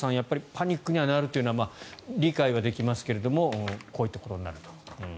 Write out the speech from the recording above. パニックになるというのは理解はできますがこういったことになると。